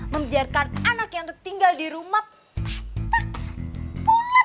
membiarkan anaknya untuk tinggal di rumah petak satu bulan